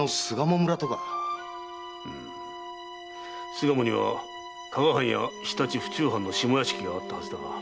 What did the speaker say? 巣鴨には加賀藩や常陸府中藩の下屋敷があったはずだが。